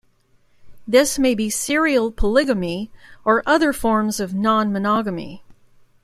This may be serial polygamy or other forms of nonmonogamy.